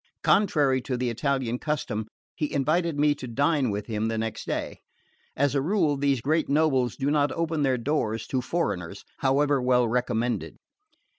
Contrary to the Italian custom, he invited me to dine with him the next day. As a rule these great nobles do not open their doors to foreigners, however well recommended.